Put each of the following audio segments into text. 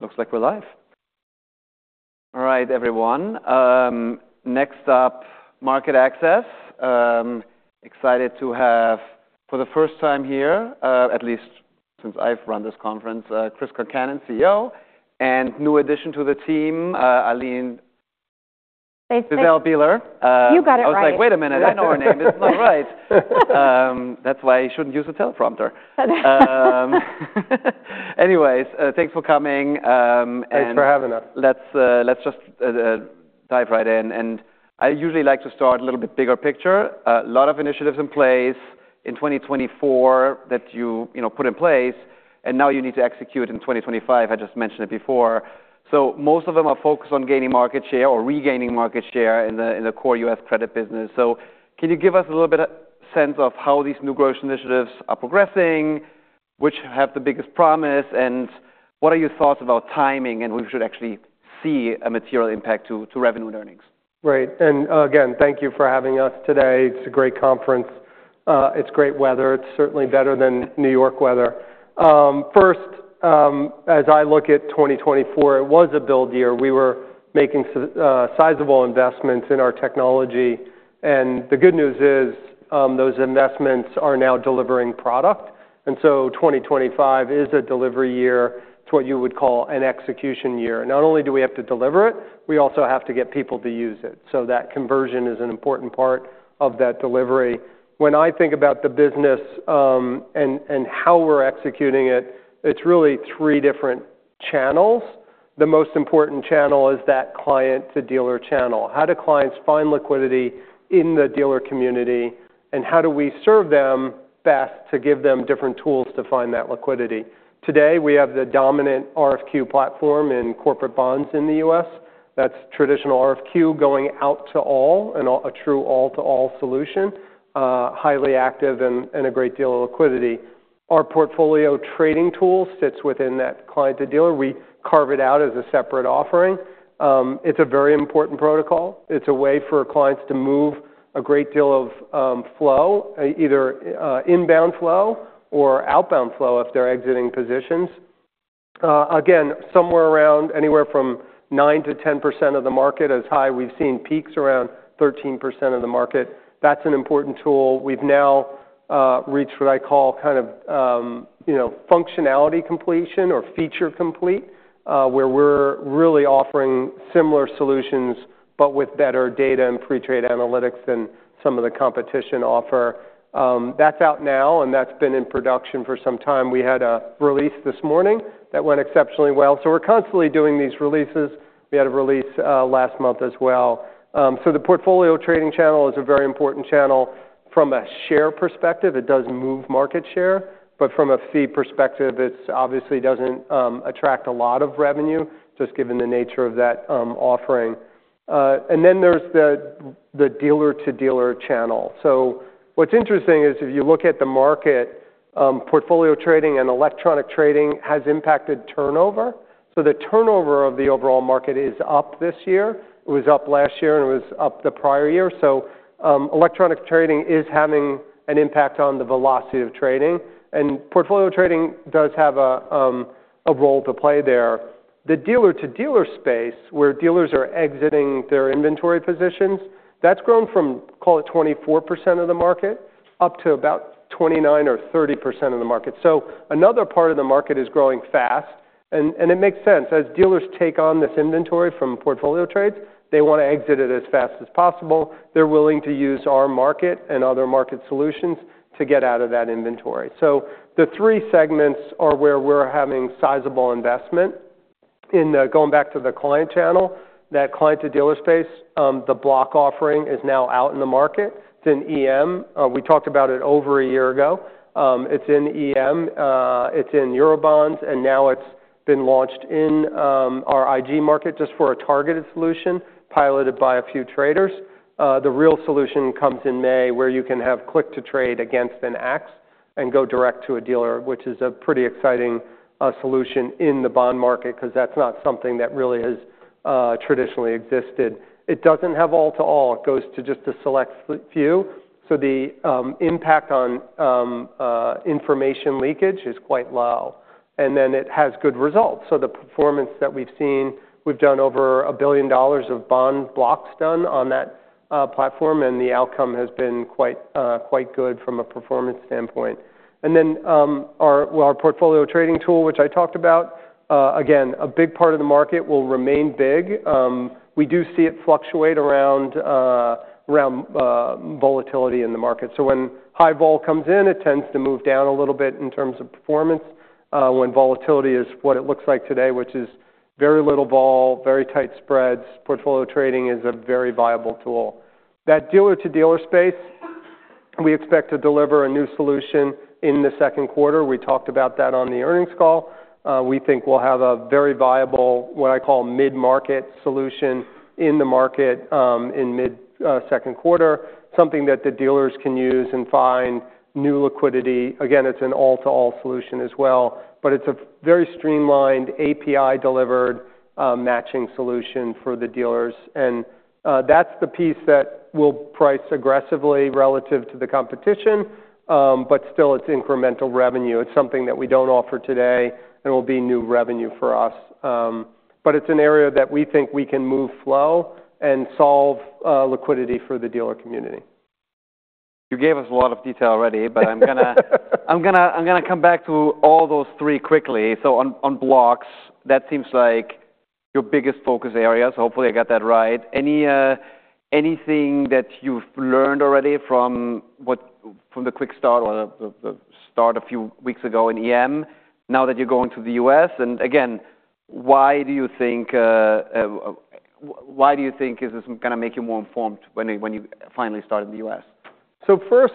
Looks like we're live. All right, everyone. Next up, MarketAxess. Excited to have, for the first time here, at least since I've run this conference, Chris Concannon, CEO, and new addition to the team, Ilene Fiszel Bieler. You got it right. I was like, "Wait a minute, that's our name. It's not right." That's why you shouldn't use a teleprompter. Anyways, thanks for coming. Thanks for having us. Let's just dive right in, and I usually like to start a little bit bigger picture. A lot of initiatives in place in 2024 that you know put in place, and now you need to execute in 2025. I just mentioned it before, so most of them are focused on gaining market share or regaining market share in the core U.S. credit business. Can you give us a little bit of sense of how these new growth initiatives are progressing, which have the biggest promise, and what are your thoughts about timing and who should actually see a material impact to revenue and earnings? Right. And, again, thank you for having us today. It's a great conference. It's great weather. It's certainly better than New York weather. First, as I look at 2024, it was a build year. We were making, sizable investments in our technology. And the good news is, those investments are now delivering product. And so 2025 is a delivery year. It's what you would call an execution year. Not only do we have to deliver it, we also have to get people to use it. So that conversion is an important part of that delivery. When I think about the business, and, and how we're executing it, it's really three different channels. The most important channel is that client-to-dealer channel. How do clients find liquidity in the dealer community, and how do we serve them best to give them different tools to find that liquidity? Today, we have the dominant RFQ platform in corporate bonds in the U.S. That's traditional RFQ going out to all, and a true all-to-all solution, highly active and a great deal of liquidity. Our portfolio trading tool sits within that client-to-dealer. We carve it out as a separate offering. It's a very important protocol. It's a way for clients to move a great deal of flow, either inbound flow or outbound flow if they're exiting positions. Again, somewhere around anywhere from 9%-10% of the market as high. We've seen peaks around 13% of the market. That's an important tool. We've now reached what I call kind of, you know, functionality completion or feature complete, where we're really offering similar solutions, but with better data and pre-trade analytics than some of the competition offer. That's out now, and that's been in production for some time. We had a release this morning that went exceptionally well, so we're constantly doing these releases. We had a release last month as well, so the portfolio trading channel is a very important channel from a share perspective. It does move market share, but from a fee perspective, it obviously doesn't attract a lot of revenue just given the nature of that offering, and then there's the dealer-to-dealer channel, so what's interesting is if you look at the market, portfolio trading and electronic trading has impacted turnover, so the turnover of the overall market is up this year. It was up last year, and it was up the prior year, so electronic trading is having an impact on the velocity of trading, and portfolio trading does have a role to play there. The dealer-to-dealer space, where dealers are exiting their inventory positions, that's grown from, call it, 24% of the market up to about 29% or 30% of the market. So another part of the market is growing fast. And, and it makes sense. As dealers take on this inventory from portfolio trades, they want to exit it as fast as possible. They're willing to use our market and other market solutions to get out of that inventory. So the three segments are where we're having sizable investment in the going back to the client channel, that client-to-dealer space. The block offering is now out in the market. It's in EM. We talked about it over a year ago. It's in EM. It's in Eurobonds, and now it's been launched in our IG market just for a targeted solution piloted by a few traders. The real solution comes in May, where you can have click-to-trade against an AX and go direct to a dealer, which is a pretty exciting solution in the bond market because that's not something that really has traditionally existed. It doesn't have all-to-all. It goes to just a select few. So the impact on information leakage is quite low. And then it has good results. So the performance that we've seen, we've done over $1 billion of bond blocks done on that platform, and the outcome has been quite, quite good from a performance standpoint. And then our well our portfolio trading tool, which I talked about, again, a big part of the market will remain big. We do see it fluctuate around volatility in the market. So when high vol comes in, it tends to move down a little bit in terms of performance. When volatility is what it looks like today, which is very little vol, very tight spreads, portfolio trading is a very viable tool. That dealer-to-dealer space, we expect to deliver a new solution in the second quarter. We talked about that on the earnings call. We think we'll have a very viable, what I call mid-market solution in the market, in mid, second quarter, something that the dealers can use and find new liquidity. Again, it's an all-to-all solution as well, but it's a very streamlined API-delivered, matching solution for the dealers. And, that's the piece that we'll price aggressively relative to the competition, but still, it's incremental revenue. It's something that we don't offer today, and it will be new revenue for us. But it's an area that we think we can move flow and solve liquidity for the dealer community. You gave us a lot of detail already, but I'm gonna come back to all those three quickly. So on blocks, that seems like your biggest focus area. So hopefully I got that right. Anything that you've learned already from the quick start or the start a few weeks ago in EM now that you're going to the U.S.? And again, why do you think is this gonna make you more informed when you finally start in the U.S.? So first,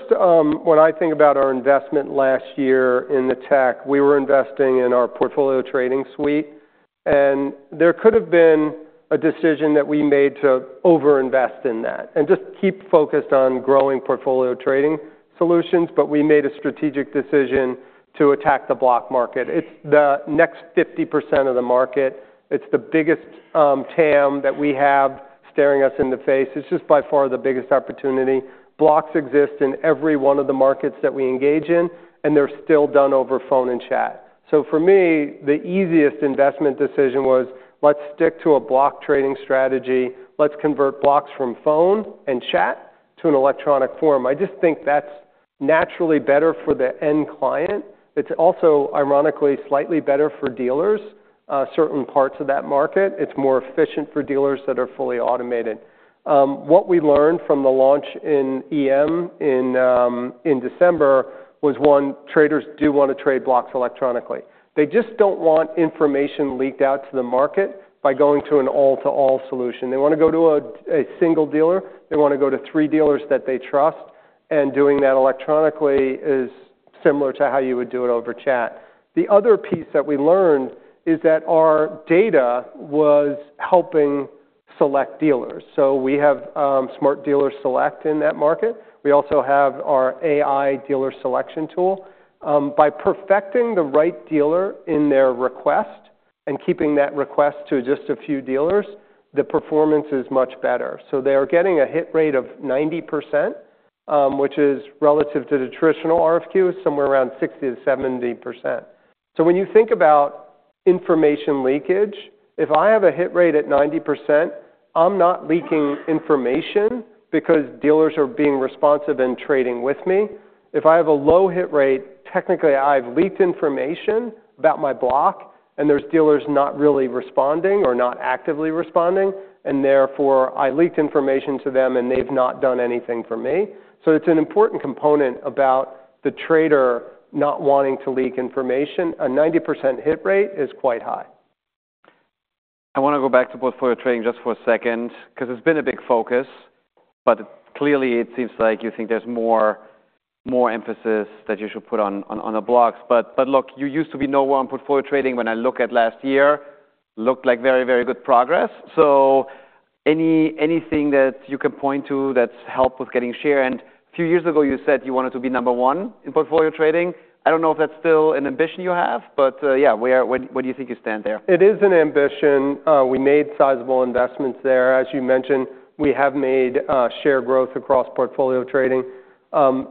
when I think about our investment last year in the tech, we were investing in our portfolio trading suite, and there could have been a decision that we made to overinvest in that and just keep focused on growing portfolio trading solutions. But we made a strategic decision to attack the block market. It's the next 50% of the market. It's the biggest, TAM that we have staring us in the face. It's just by far the biggest opportunity. Blocks exist in every one of the markets that we engage in, and they're still done over phone and chat. So for me, the easiest investment decision was, let's stick to a block trading strategy. Let's convert blocks from phone and chat to an electronic form. I just think that's naturally better for the end clients. It's also, ironically, slightly better for dealers, certain parts of that market. It's more efficient for dealers that are fully automated. What we learned from the launch in EM in December was, one, traders do want to trade blocks electronically. They just don't want information leaked out to the market by going to an all-to-all solution. They want to go to a single dealer. They want to go to three dealers that they trust. And doing that electronically is similar to how you would do it over chat. The other piece that we learned is that our data was helping select dealers. So we have Smart Dealer Select in that market. We also have our AI dealer selection tool. By perfecting the right dealer in their request and keeping that request to just a few dealers, the performance is much better. So they are getting a hit rate of 90%, which is relative to the traditional RFQ, somewhere around 60%-70%. So when you think about information leakage, if I have a hit rate at 90%, I'm not leaking information because dealers are being responsive and trading with me. If I have a low hit rate, technically, I've leaked information about my block, and there's dealers not really responding or not actively responding, and therefore, I leaked information to them, and they've not done anything for me. So it's an important component about the trader not wanting to leak information. A 90% hit rate is quite high. I want to go back to portfolio trading just for a second because it's been a big focus, but clearly, it seems like you think there's more emphasis that you should put on the blocks, but look, you used to be number one on portfolio trading when I look at last year. Looked like very, very good progress, so anything that you can point to that's helped with getting share, and a few years ago, you said you wanted to be number one in portfolio trading. I don't know if that's still an ambition you have, but yeah, where do you think you stand there? It is an ambition. We made sizable investments there. As you mentioned, we have made share growth across portfolio trading.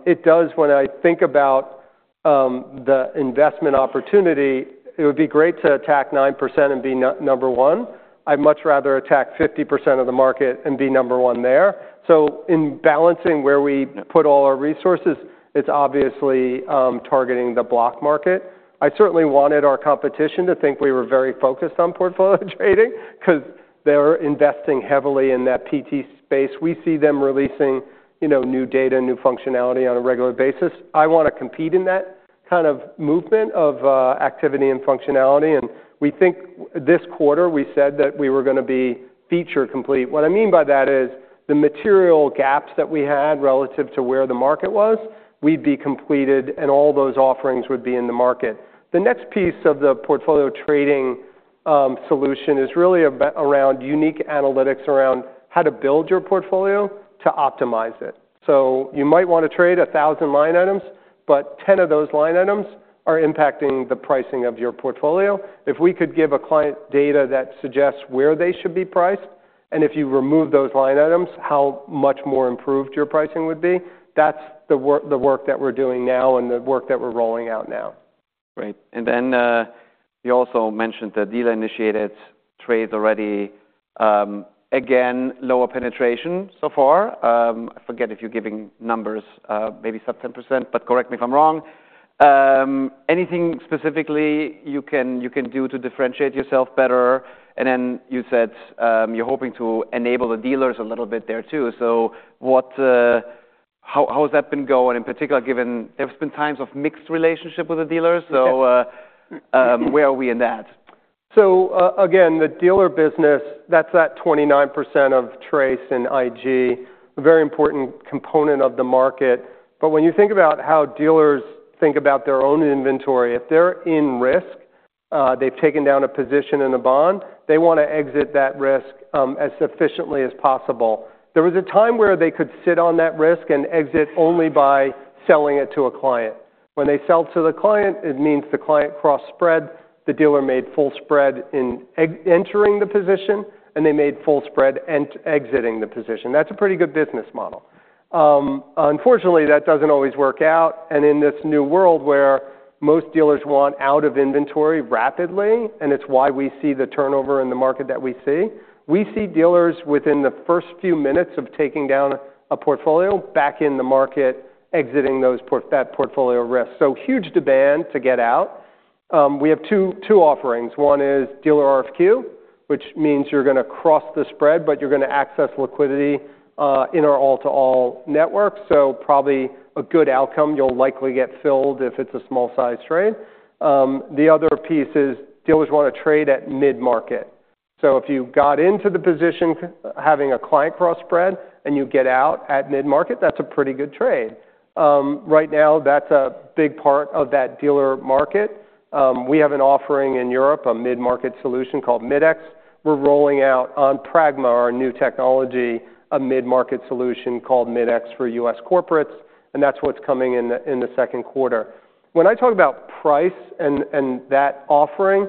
It does, when I think about the investment opportunity, it would be great to attack 9% and be number one. I'd much rather attack 50% of the market and be number one there. So in balancing where we put all our resources, it's obviously targeting the block market. I certainly wanted our competition to think we were very focused on portfolio trading because they're investing heavily in that PT space. We see them releasing, you know, new data and new functionality on a regular basis. I want to compete in that kind of movement of activity and functionality. And we think this quarter, we said that we were going to be feature complete. What I mean by that is the material gaps that we had relative to where the market was, we'd be completed, and all those offerings would be in the market. The next piece of the portfolio trading solution is really about around unique analytics around how to build your portfolio to optimize it. So you might want to trade 1,000 line items, but 10 of those line items are impacting the pricing of your portfolio. If we could give a client data that suggests where they should be priced, and if you remove those line items, how much more improved your pricing would be, that's the work that we're doing now and the work that we're rolling out now. Great. And then you also mentioned that dealer-initiated trades already again, lower penetration so far. I forget if you're giving numbers, maybe sub 10%, but correct me if I'm wrong. Anything specifically you can do to differentiate yourself better? And then you said you're hoping to enable the dealers a little bit there too. So what, how has that been going in particular, given there's been times of mixed relationship with the dealers? Where are we in that? Again, the dealer business, that's that 29% of TRACE and IG, a very important component of the market. But when you think about how dealers think about their own inventory, if they're in risk, they've taken down a position in a bond, they want to exit that risk, as efficiently as possible. There was a time where they could sit on that risk and exit only by selling it to a client. When they sell to the client, it means the client cross-spread, the dealer made full spread in entering the position, and they made full spread and exiting the position. That's a pretty good business model. Unfortunately, that doesn't always work out. And in this new world where most dealers want out of inventory rapidly, and it's why we see the turnover in the market that we see, we see dealers within the first few minutes of taking down a portfolio back in the market exiting that portfolio risk. So huge demand to get out. We have two offerings. One is dealer RFQ, which means you're going to cross the spread, but you're going to access liquidity in our all-to-all network. So probably a good outcome. You'll likely get filled if it's a small-sized trade. The other piece is dealers want to trade at mid-market. So if you got into the position having a client cross-spread and you get out at mid-market, that's a pretty good trade. Right now, that's a big part of that dealer market. We have an offering in Europe, a mid-market solution called Midex. We're rolling out on Pragma, our new technology, a mid-market solution called Midex for U.S. corporates. And that's what's coming in the second quarter. When I talk about price and that offering,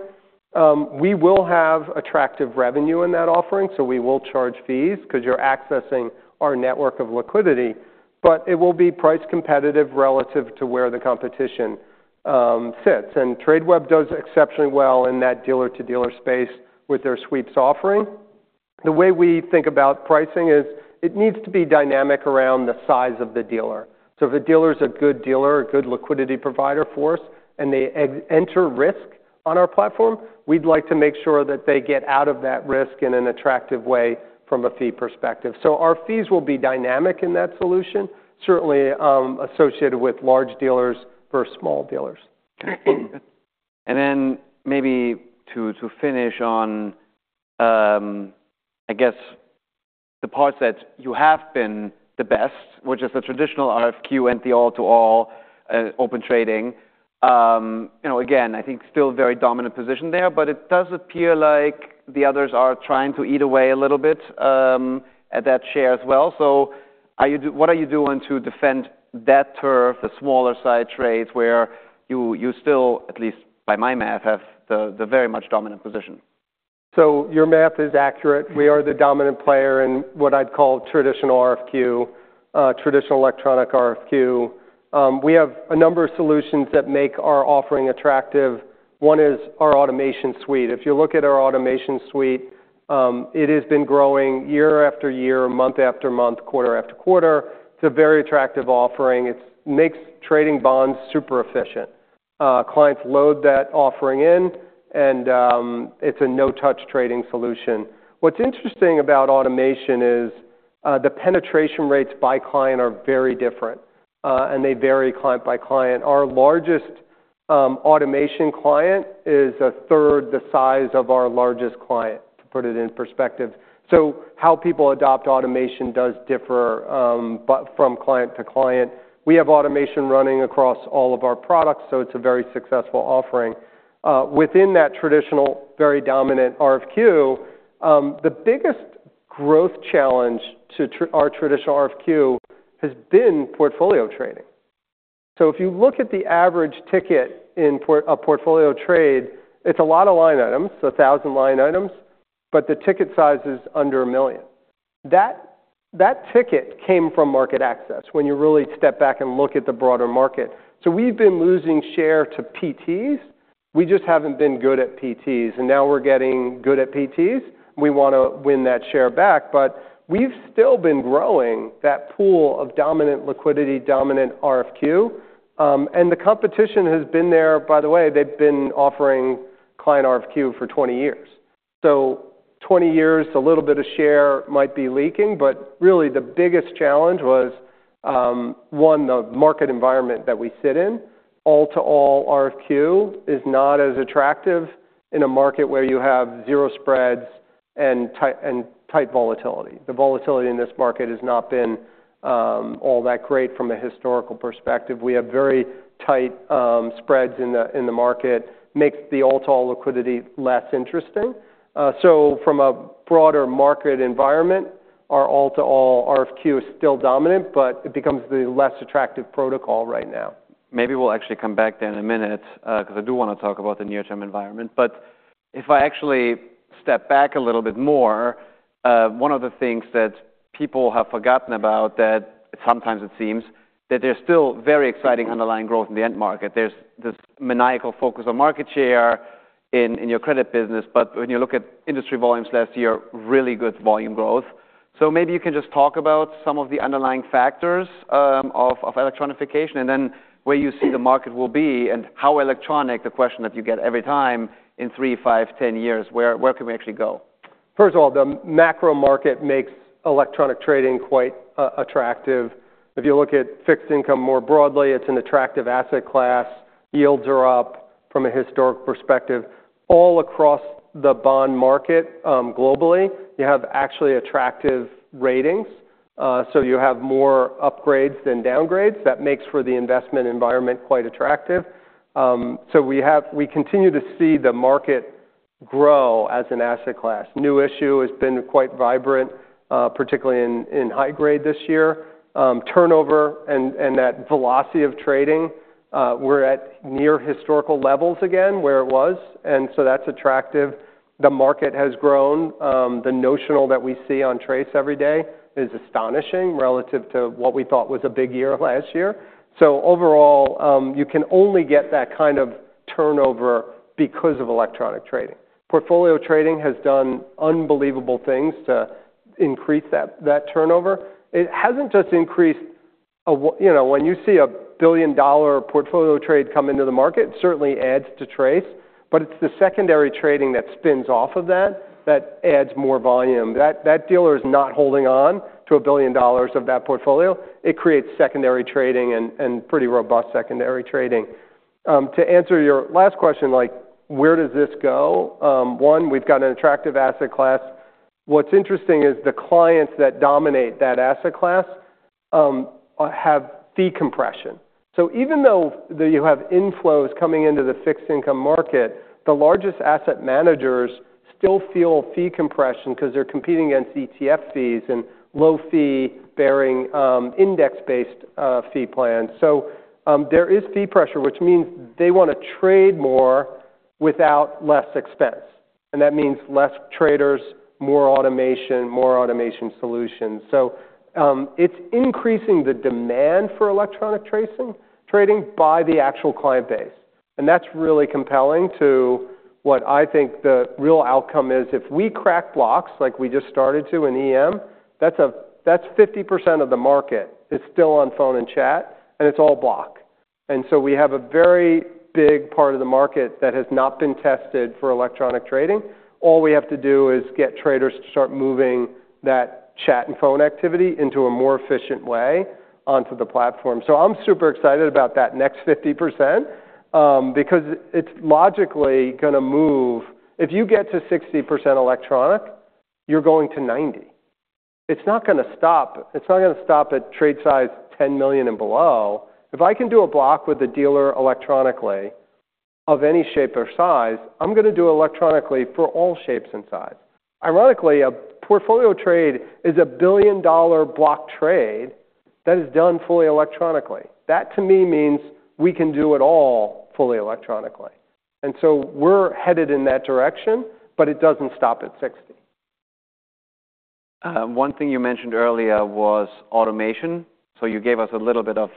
we will have attractive revenue in that offering. So we will charge fees because you're accessing our network of liquidity. But it will be price competitive relative to where the competition sits. And Tradeweb does exceptionally well in that dealer-to-dealer space with their suites offering. The way we think about pricing is it needs to be dynamic around the size of the dealer. So if a dealer is a good dealer, a good liquidity provider for us, and they enter risk on our platform, we'd like to make sure that they get out of that risk in an attractive way from a fee perspective. Our fees will be dynamic in that solution, certainly, associated with large dealers versus small dealers. Then maybe to finish on, I guess the parts that you have been the best, which is the traditional RFQ and the all-to-all Open Trading. You know, again, I think still very dominant position there, but it does appear like the others are trying to eat away a little bit at that share as well. So what are you doing to defend that turf, the smaller-sized trades where you still, at least by my math, have the very much dominant position? So your math is accurate. We are the dominant player in what I'd call traditional RFQ, traditional electronic RFQ. We have a number of solutions that make our offering attractive. One is our automation suite. If you look at our automation suite, it has been growing year after year, month after month, quarter after quarter. It's a very attractive offering. It makes trading bonds super efficient. Clients load that offering in, and it's a no-touch trading solution. What's interesting about automation is, the penetration rates by client are very different, and they vary client by client. Our largest automation client is a third the size of our largest client, to put it in perspective. So how people adopt automation does differ, but from client to client. We have automation running across all of our products, so it's a very successful offering. Within that traditional, very dominant RFQ, the biggest growth challenge to our traditional RFQ has been portfolio trading. So if you look at the average ticket in a portfolio trade, it's a lot of line items, 1,000 line items, but the ticket size is under $1 million. That, that ticket came from MarketAxess when you really step back and look at the broader market. So we've been losing share to PTs. We just haven't been good at PTs. And now we're getting good at PTs. We want to win that share back. But we've still been growing that pool of dominant liquidity, dominant RFQ. And the competition has been there. By the way, they've been offering client RFQ for 20 years. So 20 years, a little bit of share might be leaking, but really the biggest challenge was, one, the market environment that we sit in. All-to-all RFQ is not as attractive in a market where you have zero spreads and tight and tight volatility. The volatility in this market has not been all that great from a historical perspective. We have very tight spreads in the market. Makes the all-to-all liquidity less interesting. So from a broader market environment, our all-to-all RFQ is still dominant, but it becomes the less attractive protocol right now. Maybe we'll actually come back there in a minute, because I do want to talk about the near-term environment. But if I actually step back a little bit more, one of the things that people have forgotten about, that sometimes it seems that there's still very exciting underlying growth in the end market. There's this maniacal focus on market share in your credit business. But when you look at industry volumes last year, really good volume growth. So maybe you can just talk about some of the underlying factors of electronification and then where you see the market will be and how electronic, the question that you get every time in three, five, ten years, where can we actually go? First of all, the macro market makes electronic trading quite attractive. If you look at fixed income more broadly, it's an attractive asset class. Yields are up from a historic perspective. All across the bond market, globally, you have actually attractive ratings, so you have more upgrades than downgrades. That makes for the investment environment quite attractive, so we continue to see the market grow as an asset class. New issue has been quite vibrant, particularly in high grade this year. Turnover and that velocity of trading, we're at near historical levels again where it was, and so that's attractive. The market has grown. The notional that we see on Trace every day is astonishing relative to what we thought was a big year last year, so overall, you can only get that kind of turnover because of electronic trading. Portfolio trading has done unbelievable things to increase that turnover. It hasn't just increased a, you know, when you see $1 billion portfolio trade come into the market, it certainly adds to TRACE. But it's the secondary trading that spins off of that that adds more volume. That dealer is not holding on to $1 billion of that portfolio. It creates secondary trading and pretty robust secondary trading. To answer your last question, like, where does this go? One, we've got an attractive asset class. What's interesting is the clients that dominate that asset class, have fee compression. So even though you have inflows coming into the fixed income market, the largest asset managers still feel fee compression because they're competing against ETF fees and low-fee bearing, index-based, fee plans. So, there is fee pressure, which means they want to trade more without less expense. That means less traders, more automation, more automation solutions. So, it's increasing the demand for electronic trading by the actual client base. And that's really compelling to what I think the real outcome is. If we crack blocks like we just started to in EM, that's 50% of the market is still on phone and chat, and it's all block. And so we have a very big part of the market that has not been tested for electronic trading. All we have to do is get traders to start moving that chat and phone activity into a more efficient way onto the platform. So I'm super excited about that next 50%, because it's logically going to move. If you get to 60% electronic, you're going to 90%. It's not going to stop. It's not going to stop at trade size $10 million and below. If I can do a block with a dealer electronically of any shape or size, I'm going to do electronically for all shapes and sizes. Ironically, a portfolio trade is a $1 billion block trade that is done fully electronically. That, to me, means we can do it all fully electronically. And so we're headed in that direction, but it doesn't stop at 60. One thing you mentioned earlier was automation. So you gave us a little bit of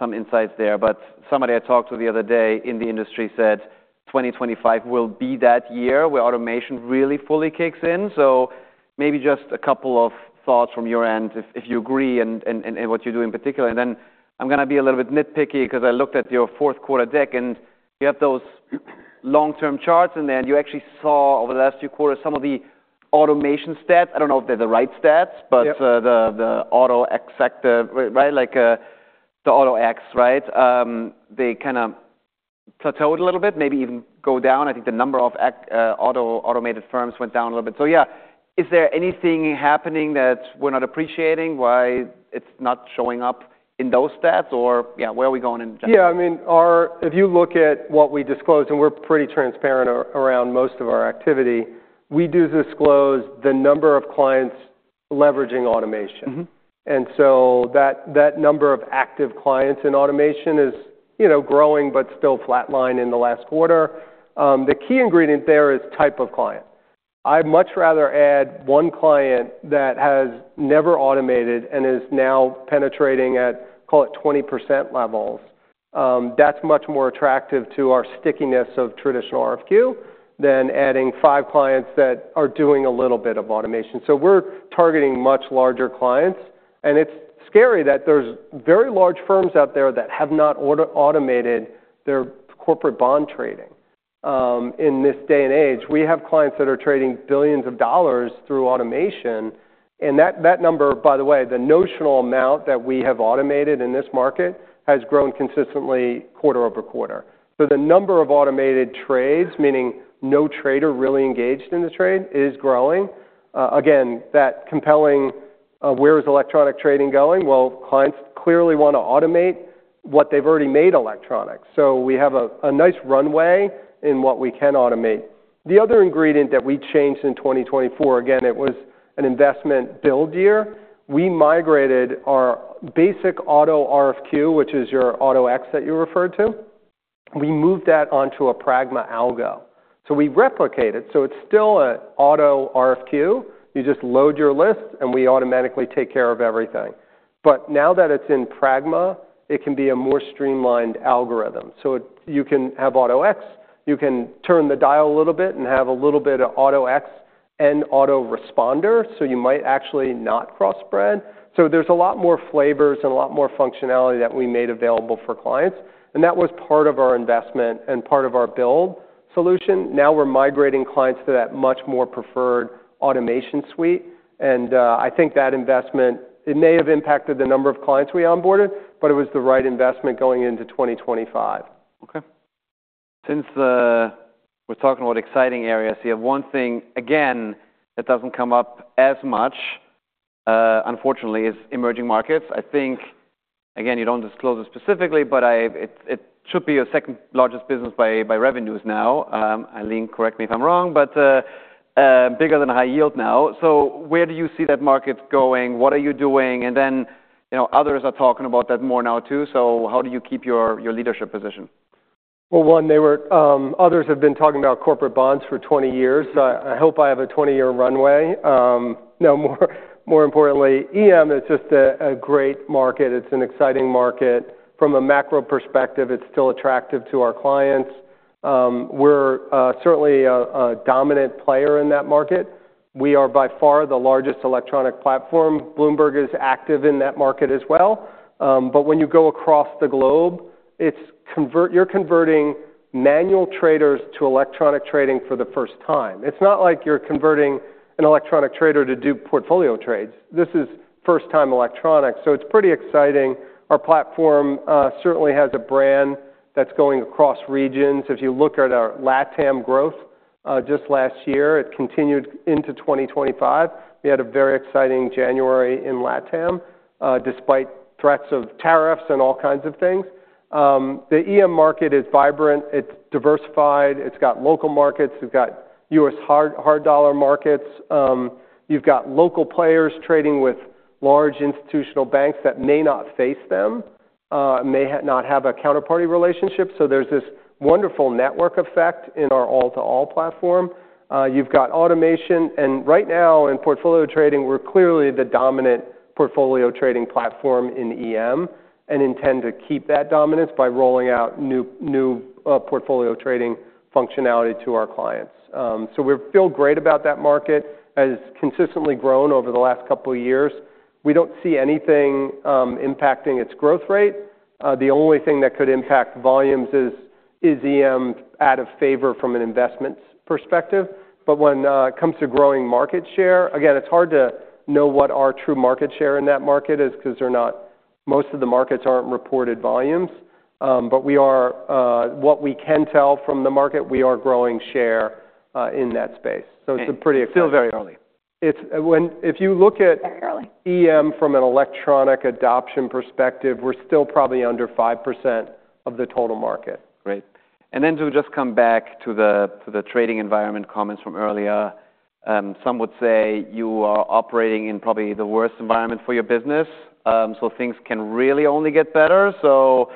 some insights there. But somebody I talked to the other day in the industry said 2025 will be that year where automation really fully kicks in. So maybe just a couple of thoughts from your end if you agree and what you do in particular. And then I'm going to be a little bit nitpicky because I looked at your fourth quarter deck, and you have those long-term charts, and then you actually saw over the last few quarters some of the automation stats. I don't know if they're the right stats, but the Auto-X, right, like the Auto-X, right? They kind of plateaued a little bit, maybe even go down. I think the number of automated firms went down a little bit. So, yeah, is there anything happening that we're not appreciating why it's not showing up in those stats? Or, yeah, where are we going in general? Yeah, I mean, or if you look at what we disclose, and we're pretty transparent around most of our activity, we do disclose the number of clients leveraging automation. And so that number of active clients in automation is, you know, growing but still flatlined in the last quarter. The key ingredient there is type of client. I'd much rather add one client that has never automated and is now penetrating at, call it, 20% levels. That's much more attractive to our stickiness of traditional RFQ than adding five clients that are doing a little bit of automation. So we're targeting much larger clients. And it's scary that there's very large firms out there that have not automated their corporate bond trading. In this day and age, we have clients that are trading billions of dollars through automation. And that number, by the way, the notional amount that we have automated in this market has grown consistently quarter over quarter. So the number of automated trades, meaning no trader really engaged in the trade, is growing. Again, that's compelling. Where is electronic trading going? Well, clients clearly want to automate what they've already made electronic. So we have a nice runway in what we can automate. The other ingredient that we changed in 2024, again, it was an investment build year. We migrated our basic auto RFQ, which is your Auto-X that you referred to. We moved that onto a Pragma algo. So we replicate it. So it's still an auto RFQ. You just load your list, and we automatically take care of everything. But now that it's in Pragma, it can be a more streamlined algorithm. So you can have Auto-X. You can turn the dial a little bit and have a little bit of Auto-X and auto responder. So you might actually not cross-spread. So there's a lot more flavors and a lot more functionality that we made available for clients. And that was part of our investment and part of our build solution. Now we're migrating clients to that much more preferred automation suite. And, I think that investment, it may have impacted the number of clients we onboarded, but it was the right investment going into 2025. Okay. Since we're talking about exciting areas, you have one thing, again, that doesn't come up as much, unfortunately, is emerging markets. I think, again, you don't disclose it specifically, but it should be your second largest business by revenues now. Ilene, correct me if I'm wrong, but bigger than high yield now. So where do you see that market going? What are you doing? And then, you know, others are talking about that more now too. So how do you keep your leadership position? Well, one, they were. Others have been talking about corporate bonds for 20 years. So I hope I have a 20-year runway. Now, more importantly, EM is just a great market. It's an exciting market. From a macro perspective, it's still attractive to our clients. We're certainly a dominant player in that market. We are by far the largest electronic platform. Bloomberg is active in that market as well. But when you go across the globe, it's converting manual traders to electronic trading for the first time. It's not like you're converting an electronic trader to do portfolio trades. This is first-time electronics. So it's pretty exciting. Our platform certainly has a brand that's going across regions. If you look at our LATAM growth, just last year, it continued into 2025. We had a very exciting January in LATAM, despite threats of tariffs and all kinds of things. The EM market is vibrant. It's diversified. It's got local markets. You've got U.S. hard dollar markets. You've got local players trading with large institutional banks that may not face them, may not have a counterparty relationship. So there's this wonderful network effect in our all-to-all platform. You've got automation. And right now, in portfolio trading, we're clearly the dominant portfolio trading platform in EM and intend to keep that dominance by rolling out new portfolio trading functionality to our clients. So we feel great about that market as consistently grown over the last couple of years. We don't see anything impacting its growth rate. The only thing that could impact volumes is EM out of favor from an investment perspective. But when it comes to growing market share, again, it's hard to know what our true market share in that market is because most of the markets aren't reported volumes. But what we can tell from the market, we are growing share in that space. So it's a pretty exciting. Still very early. It's when if you look at. Very early. EM from an electronic adoption perspective, we're still probably under 5% of the total market. Great. And then to just come back to the trading environment comments from earlier, some would say you are operating in probably the worst environment for your business. So things can really only get better. So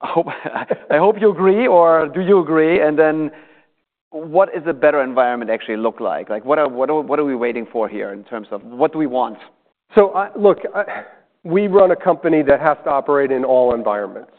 I hope you agree, or do you agree? And then what does a better environment actually look like? Like, what are we waiting for here in terms of what do we want? So, look, we run a company that has to operate in all environments.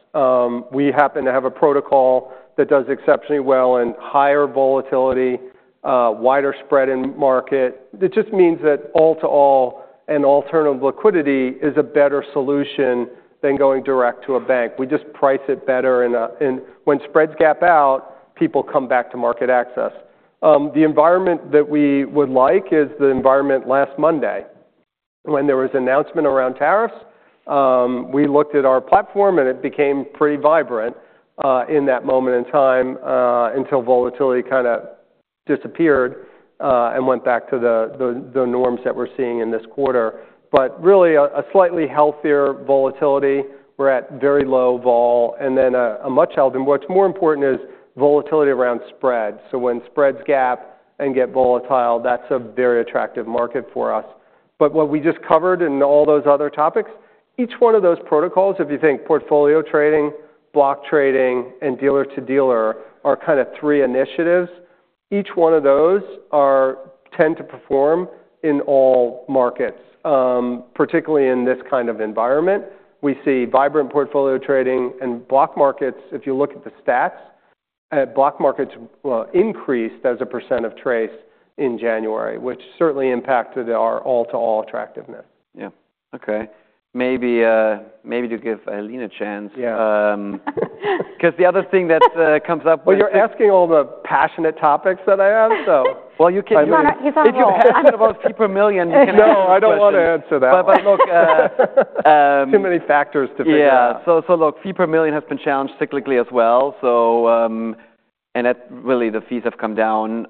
We happen to have a protocol that does exceptionally well in higher volatility, wider spread in market. It just means that all-to-all and alternative liquidity is a better solution than going direct to a bank. We just price it better. And when spreads gap out, people come back to MarketAxess. The environment that we would like is the environment last Monday when there was announcement around tariffs. We looked at our platform, and it became pretty vibrant, in that moment in time, until volatility kind of disappeared, and went back to the norms that we're seeing in this quarter. But really, a slightly healthier volatility. We're at very low vol. And then a much healthier. What's more important is volatility around spread. So when spreads gap and get volatile, that's a very attractive market for us. But what we just covered and all those other topics, each one of those protocols, if you think portfolio trading, block trading, and dealer-to-dealer are kind of three initiatives, each one of those tend to perform in all markets, particularly in this kind of environment. We see vibrant portfolio trading and block markets. If you look at the stats, block markets increased as a % of TRACE in January, which certainly impacted our all-to-all attractiveness. Yeah. Okay. Maybe, maybe to give Ilene a chance. Yeah. because the other thing that comes up. You're asking all the passionate topics that I have, so. Well, you can. He's on a lot of. If you're passionate about fee per million, you can. No, I don't want to answer that. But look, Too many factors to figure out. Yeah. So look, fee per million has been challenged cyclically as well. So, and that really the fees have come down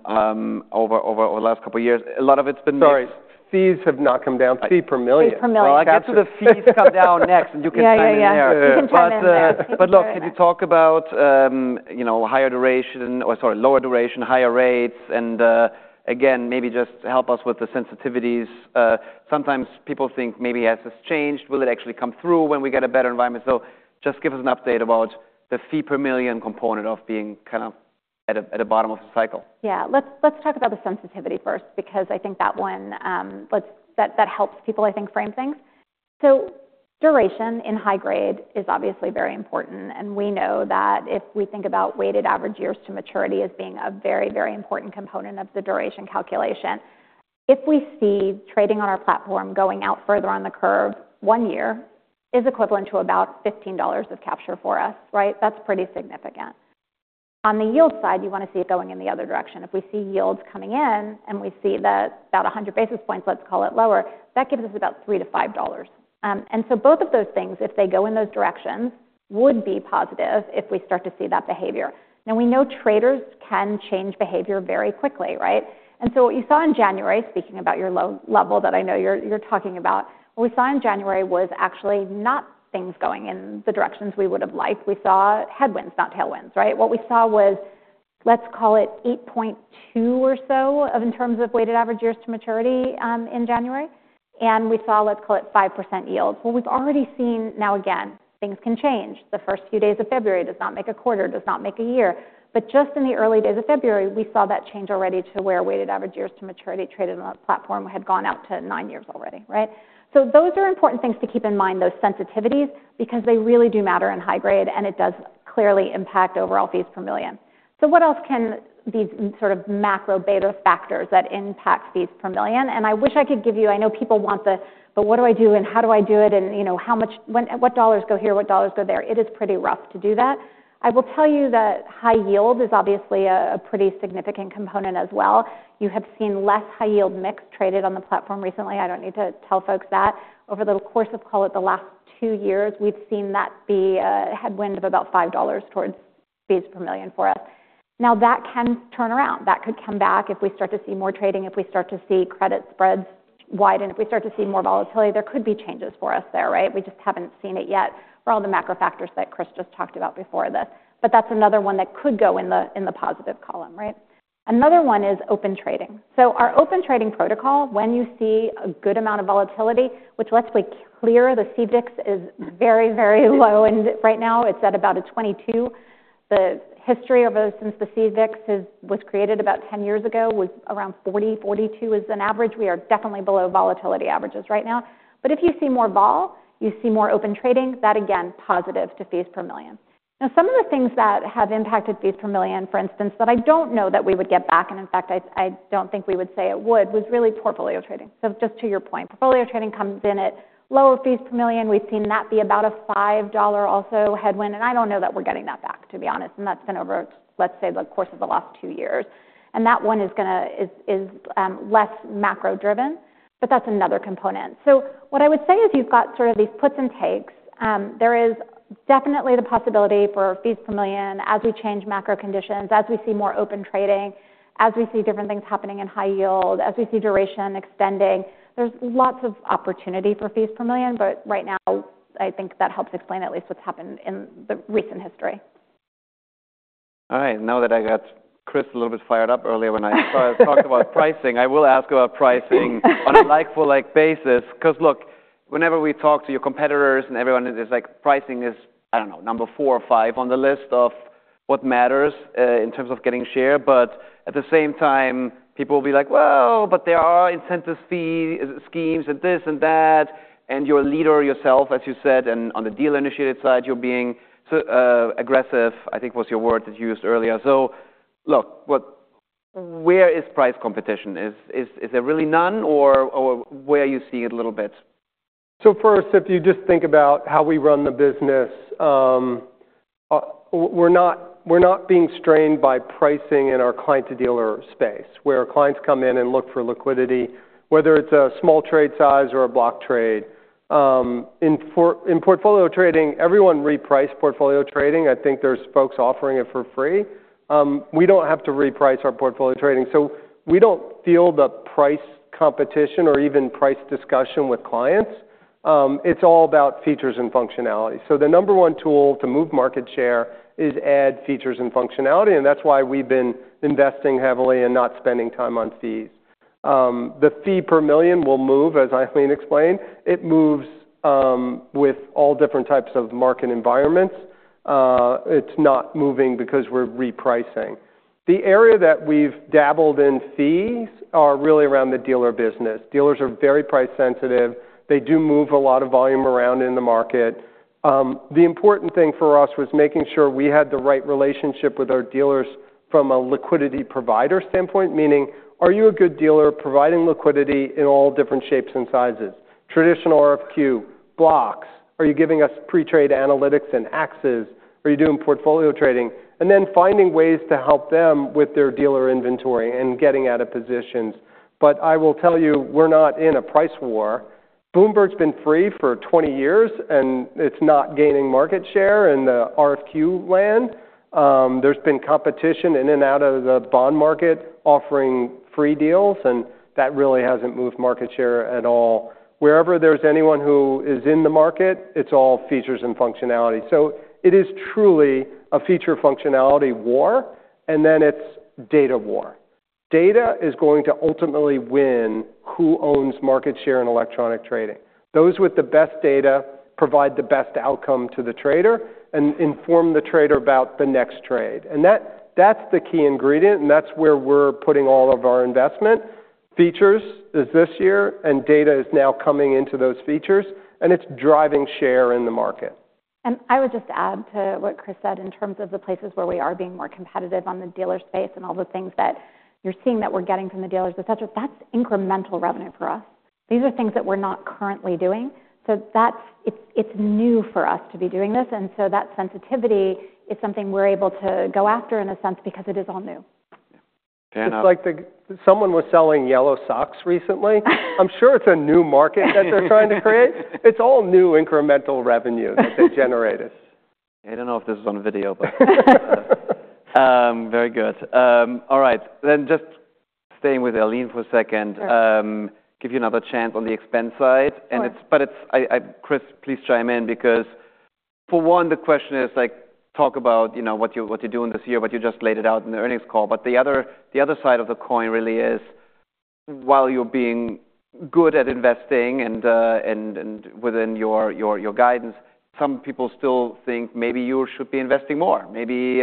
over the last couple of years. A lot of it's been mixed. Sorry. Fees have not come down. Fee per million. Fee per million. So I'll get to the fees come down next, and you can chime in there. Yeah, yeah, yeah. But look, can you talk about, you know, higher duration or, sorry, lower duration, higher rates? And again, maybe just help us with the sensitivities. Sometimes people think maybe as this changed, will it actually come through when we get a better environment? So just give us an update about the fee per million component of being kind of at the bottom of the cycle. Yeah. Let's talk about the sensitivity first because I think that one that helps people, I think, frame things. Duration in high grade is obviously very important. We know that if we think about weighted average years to maturity as being a very, very important component of the duration calculation, if we see trading on our platform going out further on the curve, one year is equivalent to about $15 of capture for us, right? That's pretty significant. On the yield side, you want to see it going in the other direction. If we see yields coming in and we see that about 100 basis points, let's call it lower, that gives us about $3 to $5, and so both of those things, if they go in those directions, would be positive if we start to see that behavior. Now, we know traders can change behavior very quickly, right? And so what you saw in January, speaking about your low level that I know you're talking about, what we saw in January was actually not things going in the directions we would have liked. We saw headwinds, not tailwinds, right? What we saw was, let's call it 8.2 or so in terms of weighted average years to maturity, in January. And we saw, let's call it 5% yields. Well, we've already seen now again, things can change. The first few days of February does not make a quarter, does not make a year. But just in the early days of February, we saw that change already to where weighted average years to maturity traded on a platform had gone out to nine years already, right? So those are important things to keep in mind, those sensitivities, because they really do matter in high grade, and it does clearly impact overall fees per million. So what else can these sort of macro beta factors that impact fees per million? And I wish I could give you, I know people want the, but what do I do and how do I do it? And, you know, how much, when, what dollars go here, what dollars go there? It is pretty rough to do that. I will tell you that high yield is obviously a pretty significant component as well. You have seen less high yield mix traded on the platform recently. I don't need to tell folks that. Over the course of, call it the last two years, we've seen that be a headwind of about $5 towards fees per million for us. Now, that can turn around. That could come back if we start to see more trading, if we start to see credit spreads widen, if we start to see more volatility, there could be changes for us there, right? We just haven't seen it yet for all the macro factors that Chris just talked about before this. But that's another one that could go in the positive column, right? Another one is Open Trading. So our Open Trading protocol, when you see a good amount of volatility, which let's be clear, the CVIX is very, very low. And right now it's at about 22. The history of, since the CVIX was created about 10 years ago was around 40, 42 is an average. We are definitely below volatility averages right now. But if you see more vol, you see more open trading, that again, positive to fees per million. Now, some of the things that have impacted fees per million, for instance, that I don't know that we would get back, and in fact, I don't think we would say it would, was really portfolio trading. So just to your point, portfolio trading comes in at lower fees per million. We've seen that be about a $5 also headwind. And I don't know that we're getting that back, to be honest. And that's been over, let's say, the course of the last two years. And that one is going to, is less macro driven, but that's another component. So what I would say is you've got sort of these puts and takes. There is definitely the possibility for fees per million as we change macro conditions, as we see more open trading, as we see different things happening in high yield, as we see duration extending. There's lots of opportunity for fees per million, but right now, I think that helps explain at least what's happened in the recent history. All right. Now that I got Chris a little bit fired up earlier when I talked about pricing, I will ask about pricing on a like-for-like basis. Because look, whenever we talk to your competitors and everyone, it's like pricing is, I don't know, number four or five on the list of what matters, in terms of getting share. But at the same time, people will be like, well, but there are incentive fee schemes and this and that. And you're a leader yourself, as you said, and on the deal initiated side, you're being so aggressive, I think was your word that you used earlier. So look, what, where is price competition? Is there really none or where are you seeing it a little bit? So first, if you just think about how we run the business, we're not, we're not being strained by pricing in our client-to-dealer space where clients come in and look for liquidity, whether it's a small trade size or a block trade. In portfolio trading, everyone repriced portfolio trading. I think there's folks offering it for free. We don't have to reprice our portfolio trading. So we don't feel the price competition or even price discussion with clients. It's all about features and functionality. So the number one tool to move market share is add features and functionality. And that's why we've been investing heavily and not spending time on fees. The fee per million will move, as Ilene explained. It moves, with all different types of market environments. It's not moving because we're repricing. The area that we've dabbled in fees are really around the dealer business. Dealers are very price sensitive. They do move a lot of volume around in the market. The important thing for us was making sure we had the right relationship with our dealers from a liquidity provider standpoint, meaning are you a good dealer providing liquidity in all different shapes and sizes? Traditional RFQ blocks? Are you giving us pre-trade analytics and axes? Are you doing portfolio trading? And then finding ways to help them with their dealer inventory and getting out of positions. But I will tell you, we're not in a price war. Bloomberg's been free for 20 years, and it's not gaining market share in the RFQ land. There's been competition in and out of the bond market offering free deals, and that really hasn't moved market share at all. Wherever there's anyone who is in the market, it's all features and functionality. So it is truly a feature functionality war, and then it's data war. Data is going to ultimately win who owns market share in electronic trading. Those with the best data provide the best outcome to the trader and inform the trader about the next trade. And that, that's the key ingredient, and that's where we're putting all of our investment. Features is this year, and data is now coming into those features, and it's driving share in the market. I would just add to what Chris said in terms of the places where we are being more competitive on the dealer space and all the things that you're seeing that we're getting from the dealers, et cetera. That's incremental revenue for us. These are things that we're not currently doing. So that's. It's new for us to be doing this. So that sensitivity is something we're able to go after in a sense because it is all new. Yeah. It's like, someone was selling yellow socks recently. I'm sure it's a new market that they're trying to create. It's all new incremental revenue that they generated. I don't know if this is on video, but very good. All right. Then just staying with Ilene for a second, give you another chance on the expense side. And it's, but it's, I, Chris, please chime in because for one, the question is like, talk about, you know, what you're doing this year, but you just laid it out in the earnings call. But the other side of the coin really is while you're being good at investing and within your guidance, some people still think maybe you should be investing more. Maybe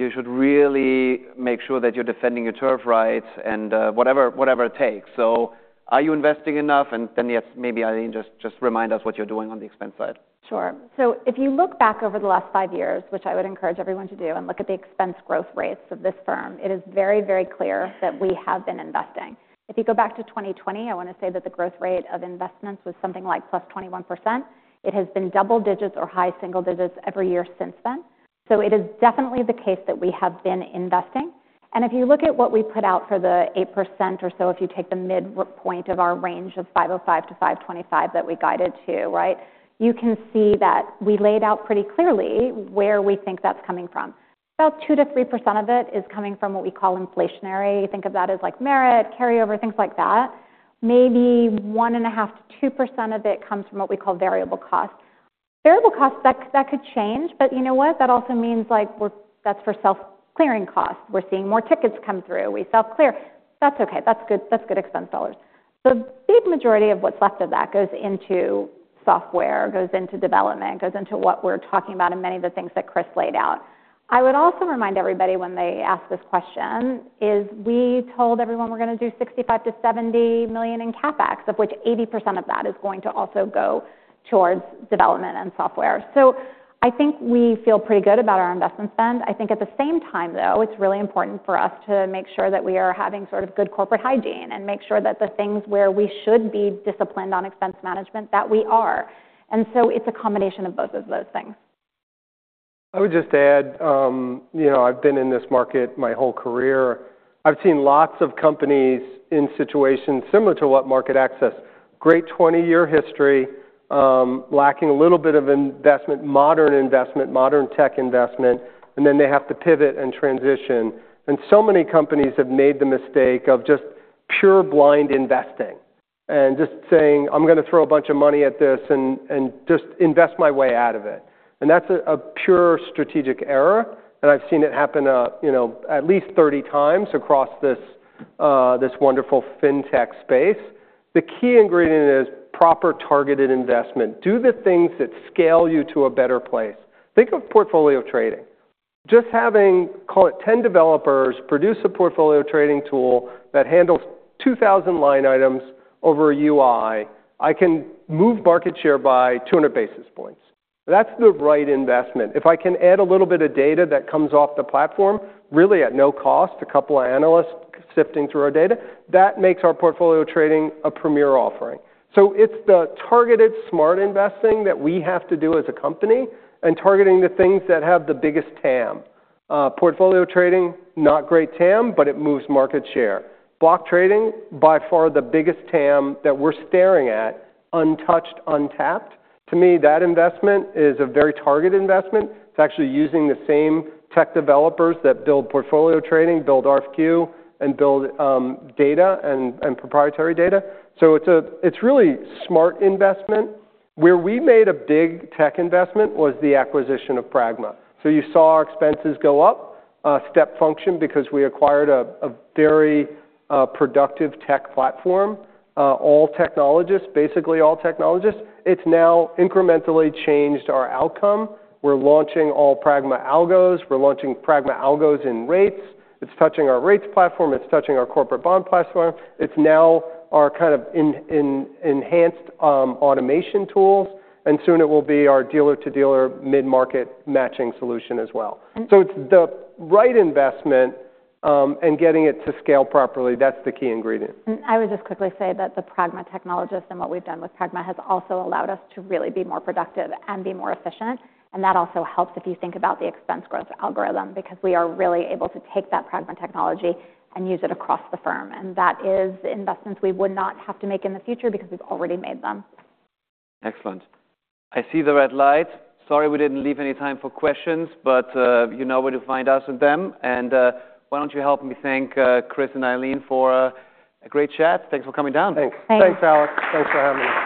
you should really make sure that you're defending your turf rights and whatever it takes. So are you investing enough? And then yes, maybe Ilene just remind us what you're doing on the expense side. Sure. So if you look back over the last five years, which I would encourage everyone to do and look at the expense growth rates of this firm, it is very, very clear that we have been investing. If you go back to 2020, I want to say that the growth rate of investments was something like plus 21%. It has been double digits or high single digits every year since then. So it is definitely the case that we have been investing. And if you look at what we put out for the 8% or so, if you take the midpoint of our range of 505 to 525 that we guided to, right, you can see that we laid out pretty clearly where we think that's coming from. About 2%-3% of it is coming from what we call inflationary. You think of that as like merit, carryover, things like that. Maybe 1.5%-2% of it comes from what we call variable costs. Variable costs, that could change, but you know what? That also means like we're, that's for self-clearing costs. We're seeing more tickets come through. We self-clear. That's okay. That's good. That's good expense dollars. The big majority of what's left of that goes into software, goes into development, goes into what we're talking about and many of the things that Chris laid out. I would also remind everybody when they ask this question is we told everyone we're going to do $65 million-$70 million in CapEx, of which 80% of that is going to also go towards development and software. So I think we feel pretty good about our investment spend. I think at the same time, though, it's really important for us to make sure that we are having sort of good corporate hygiene and make sure that the things where we should be disciplined on expense management, that we are. And so it's a combination of both of those things. I would just add, you know, I've been in this market my whole career. I've seen lots of companies in situations similar to what MarketAxess, great 20-year history, lacking a little bit of investment, modern investment, modern tech investment, and then they have to pivot and transition. And so many companies have made the mistake of just pure blind investing and just saying, I'm going to throw a bunch of money at this and just invest my way out of it. And that's a pure strategic error. And I've seen it happen, you know, at least 30 times across this, this wonderful fintech space. The key ingredient is proper targeted investment. Do the things that scale you to a better place. Think of portfolio trading. Just having, call it 10 developers produce a portfolio trading tool that handles 2,000 line items over a UI, I can move market share by 200 basis points. That's the right investment. If I can add a little bit of data that comes off the platform, really at no cost, a couple of analysts sifting through our data, that makes our portfolio trading a premier offering. So it's the targeted smart investing that we have to do as a company and targeting the things that have the biggest TAM. Portfolio trading, not great TAM, but it moves market share. Block trading, by far the biggest TAM that we're staring at, untouched, untapped. To me, that investment is a very targeted investment. It's actually using the same tech developers that build portfolio trading, build RFQ, and build data and proprietary data. So it's really smart investment. Where we made a big tech investment was the acquisition of Pragma. So you saw our expenses go up, step function because we acquired a very productive tech platform, all technologists, basically all technologists. It's now incrementally changed our outcome. We're launching all Pragma Algos. We're launching Pragma Algos in rates. It's touching our rates platform. It's touching our corporate bond platform. It's now our kind of enhanced automation tools. And soon it will be our dealer-to-dealer mid-market matching solution as well. So it's the right investment, and getting it to scale properly. That's the key ingredient. I would just quickly say that the Pragma technology and what we've done with Pragma has also allowed us to really be more productive and be more efficient. And that also helps if you think about the expense growth algorithm because we are really able to take that Pragma technology and use it across the firm. And that is investments we would not have to make in the future because we've already made them. Excellent. I see the red light. Sorry we didn't leave any time for questions, but, you know where to find us and them. And, why don't you help me thank, Chris and Ilene for a great chat. Thanks for coming down. Thanks. Thanks, Alex. Thanks for having me.